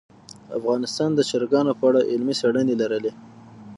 افغانستان د چرګانو په اړه علمي څېړنې لري.